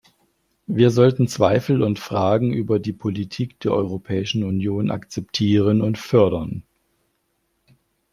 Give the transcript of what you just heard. Wir sollten Zweifel und Fragen über die Politik der Europäischen Union akzeptieren und fördern.